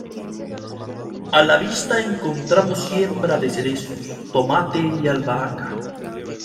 A la vista encontramos siembra de cerezos, tomate y albahaca.